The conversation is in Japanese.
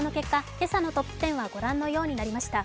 今朝のトップ１０はご覧のようになりました。